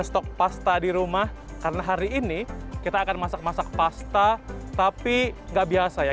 stok pasta di rumah karena hari ini kita akan masak masak pasta tapi nggak biasa ya